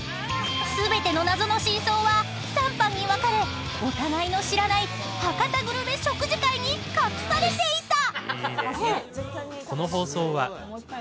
［全ての謎の真相は３班に分かれお互いの知らない博多グルメ食事会に隠されていた！］